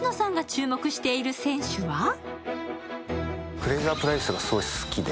フレイザー・プライスがとっても好きで。